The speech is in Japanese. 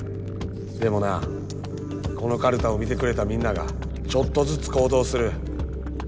でもなこのカルタを見てくれたみんながちょっとずつ行動する。